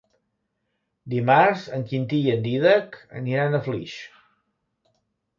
Dimarts en Quintí i en Dídac aniran a Flix.